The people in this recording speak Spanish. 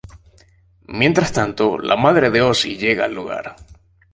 Mientras tanto, la madre de Ozzie llega al lugar.